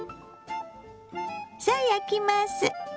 さあ焼きます。